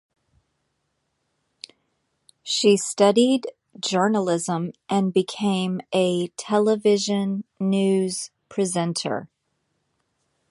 She studied journalism and became a television news presenter.